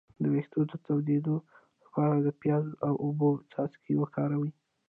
د ویښتو د تویدو لپاره د پیاز او اوبو څاڅکي وکاروئ